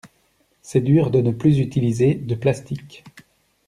C'est dur de ne plus utiliser de plastique.